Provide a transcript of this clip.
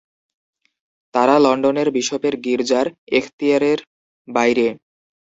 তারা লন্ডনের বিশপের গির্জার এখতিয়ারের বাইরে।